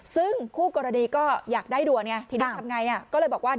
ซึ่งคู่กรณีก็อยากได้ด่วนไงทีนี้ทำไงก็เลยบอกว่า